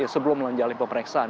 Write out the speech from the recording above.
sebelum melanjali pemeriksaan